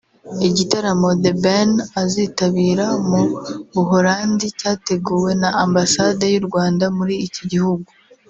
Igitaramo The Ben azitabira mu Buholandi cyateguwe na Ambasade y’u Rwanda muri iki gihugu